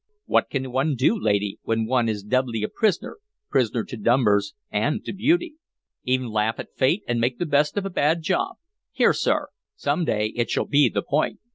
"What can one do, lady, when one is doubly a prisoner, prisoner to numbers and to beauty? E'en laugh at fate, and make the best of a bad job. Here, sir! Some day it shall be the point!"